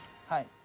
はい。